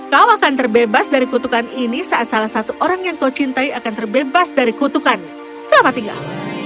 kau akan terbebas dari kutukan ini saat salah satu orang yang kau cintai akan terbebas dari kutukan selamat tinggal